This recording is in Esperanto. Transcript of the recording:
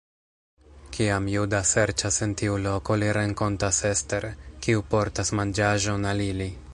Kiam Juda serĉas en tiu loko, li renkontas Ester, kiu portas manĝaĵon al ili.